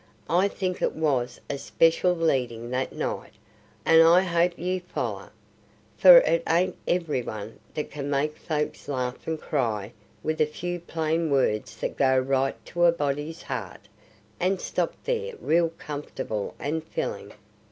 I think it was a special leadin' that night, and I hope you'll foller, for it ain't every one that can make folks laugh and cry with a few plain words that go right to a body's heart and stop there real comfortable and fillin'.